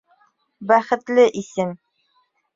БӘХЕТЛЕ ИСЕМ